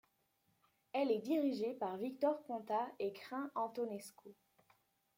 Elle est dirigée par Victor Ponta et Crin Antonescu.